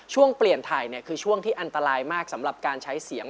ช่วงเปลี่ยนถ่ายคือช่วงที่อันตรายมากสำหรับการใช้เสียง